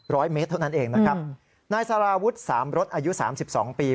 ร้อยเมตรเท่านั้นเองนะครับนายสารวุฒิสามรถอายุ๓๒ปี